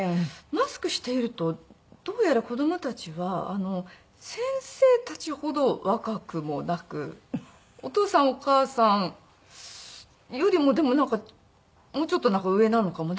マスクしているとどうやら子供たちは先生たちほど若くもなくお父さんお母さんよりもでももうちょっと上なのかも。